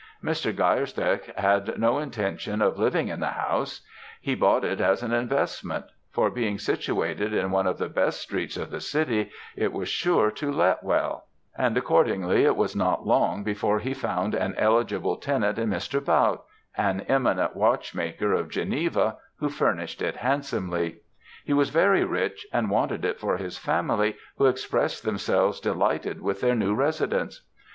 "Mr. Geirsteche had no intention of living in the house; he bought it as an investment; for being situated in one of the best streets of the city, it was sure to let well; and accordingly it was not long before he found an eligible tenent in Mr. Bautte, an eminent watchmaker of Geneva, who furnished it handsomely. He was very rich, and wanted it for his family, who expressed themselves delighted with their new residence.